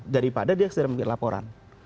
daripada dia sendiri membuat laporan